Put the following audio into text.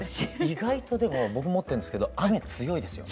意外とでも僕持ってるんですけど雨強いですよ。